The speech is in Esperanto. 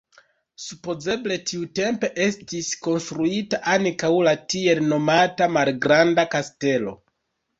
Supozeble tiutempe estis konstruita ankaŭ la tiel nomata malgranda kastelo.